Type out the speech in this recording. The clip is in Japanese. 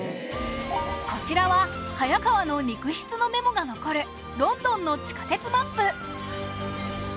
こちらは早川の肉筆のメモが残るロンドンの地下鉄マップ